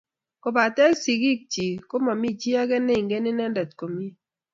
Kopate sigik chi komami chi age ne ingen ine komie